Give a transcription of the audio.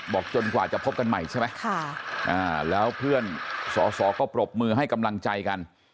จนกว่าจะพบกันใหม่ใช่ไหมแล้วเพื่อนสอสอก็ปรบมือให้กำลังใจกัน